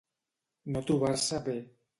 No trobar-se bé.